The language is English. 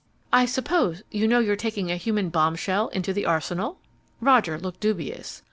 I suppose you know you're taking a human bombshell into the arsenal?" Roger looked dubious.